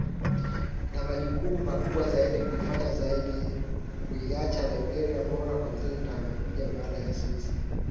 Nina majukumu makubwa zaidi kufanya zaidi kuiacha Liberia bora kwa vizazi vitakavyokuja baada ya sisi